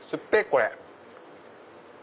これ。